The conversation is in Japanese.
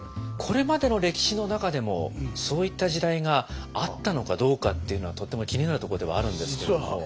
これまでの歴史の中でもそういった時代があったのかどうかっていうのはとっても気になるところではあるんですけれども。